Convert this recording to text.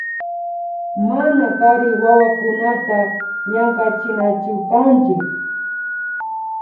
Mana kari wawakunata llankachinachukanchik